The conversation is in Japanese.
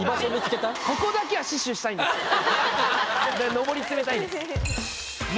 上り詰めたいです。